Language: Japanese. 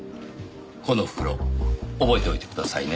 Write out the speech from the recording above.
この袋覚えておいてくださいね。